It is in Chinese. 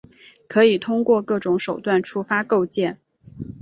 可以通过各种手段触发构建。